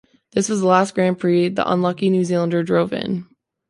This was the last Grand Prix the unlucky New Zealander drove in.